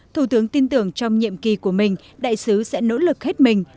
thủ tướng tin tưởng trong nhiệm kỳ của mình đại sứ sẽ nỗ lực hết mình